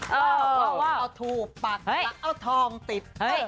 ว่าว่าว่าเอาถูกปักแล้วเอาทองติด